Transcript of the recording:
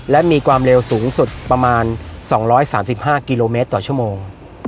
และมีความเร็วสูงสุดประมาณสองร้อยสามสิบห้ากิโลเมตรต่อชั่วโมง